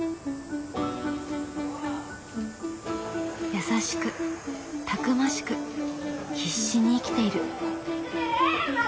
優しくたくましく必死に生きている。